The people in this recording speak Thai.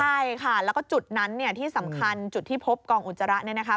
ใช่ค่ะแล้วก็จุดนั้นเนี่ยที่สำคัญจุดที่พบกองอุจจาระเนี่ยนะคะ